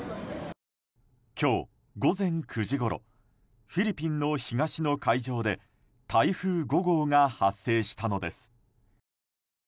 今日午前９時ごろフィリピンの東の海上で台風５号が発生したのです。